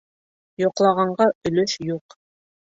Йоҡлағанға өлөш юҡ.